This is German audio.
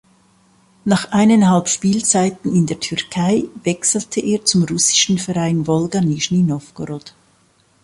Nach eineinhalb Spielzeiten in der Türkei wechselte er zum russischen Verein Wolga Nischni Nowgorod.